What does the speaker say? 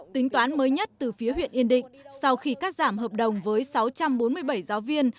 tính toán mới nhất từ phía huyện yên định sau khi cắt giảm hợp đồng với sáu trăm bốn mươi bảy giáo viên